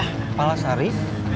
di jalan palasari